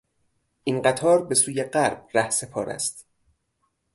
این قطار به سوی غرب رهسپار است.